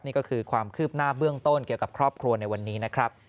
นี่ก็คือความคืบหน้าเบื้องต้นเกี่ยวกับครอบครัวในวันนี้นะครับ